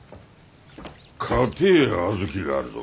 かてえ小豆があるぞ。